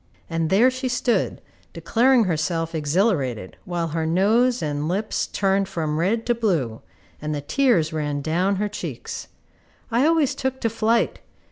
And there she stood, declaring herself exhilarated, while her nose and lips turned from red to blue, and the tears ran down her cheeks. I always took to flight.